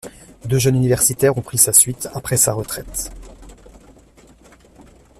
Deux jeunes universitaires ont pris sa suite après sa reraite.